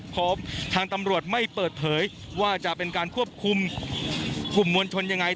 พร้อมทางตำรวจไม่เปิดเผยว่าจะเป็นการควบคุมกลุ่มมวลชนยังไง